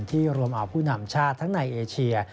ที่รวมอาวุธพลังชาติในเอเชีย